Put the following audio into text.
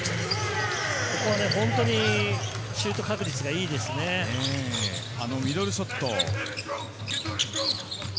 ここは本当にシュート確率がミドルショット。